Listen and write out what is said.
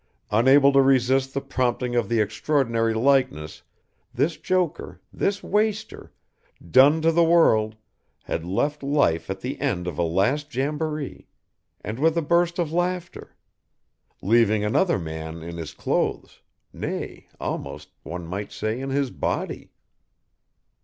Unable to resist the prompting of the extraordinary likeness, this joker, this waster, done to the world, had left life at the end of a last jamboree, and with a burst of laughter leaving another man in his clothes, nay, almost one might say in his body.